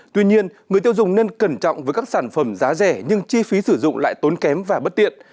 tuy nhiên người tiêu dùng nên cẩn trọng với các sản phẩm giá rẻ nhưng chi phí sử dụng lại tốn kém và bất tiện